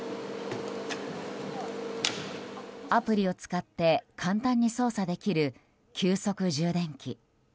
アプリを使って簡単に操作できる急速充電器。